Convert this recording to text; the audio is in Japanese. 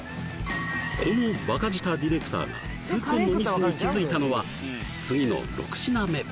このバカ舌ディレクターが痛恨のミスに気づいたのは次の６品目